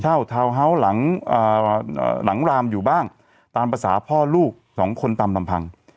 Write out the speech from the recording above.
ทาวน์เฮาส์หลังรามอยู่บ้างตามภาษาพ่อลูกสองคนตามลำพัง